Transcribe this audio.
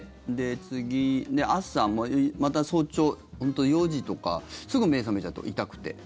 次、また早朝４時とかすぐ目覚めちゃって、痛くて。